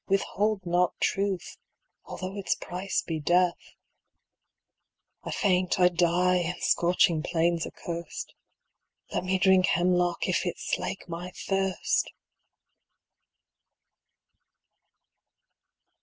Withhold not Truth, although its price be Death I faint, I die, in scorching plains accurst, Let me drink hemlock, if it slake my thirst